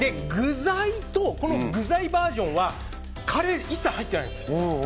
で、この具材バージョンはカレーは一切入っていないです。